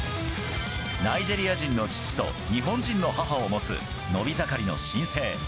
ナイジェリア人の父と日本人の母を持つ伸び盛りの新星。